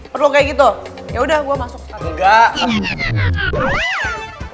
perlu kayak gitu yaudah gua masuk